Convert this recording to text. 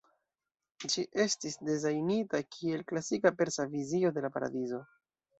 Ĝi estis dezajnita kiel klasika persa vizio de la paradizo.